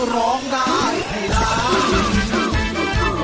ร้องได้ให้ล้าน